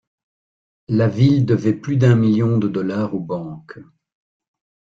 La ville devait plus d'un million de dollars aux banques.